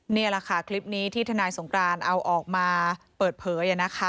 นี่แหละค่ะคลิปนี้ที่ทนายสงกรานเอาออกมาเปิดเผย